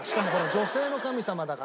女性の神様だから。